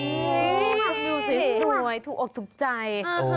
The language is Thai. ฟังดูสวยถูกออกถูกใจ